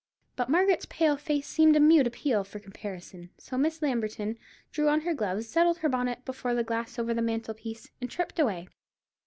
But Margaret's pale face seemed a mute appeal for compassion; so Miss Lamberton drew on her gloves, settled her bonnet before the glass over the mantel piece, and tripped away.